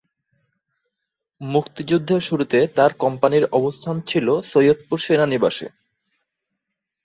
মুক্তিযুদ্ধের শুরুতে তার কোম্পানির অবস্থান ছিল সৈয়দপুর সেনানিবাসে।